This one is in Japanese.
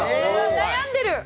悩んでる。